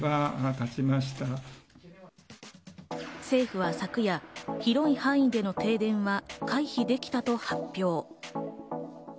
政府は昨夜、広い範囲での停電は回避できたと発表。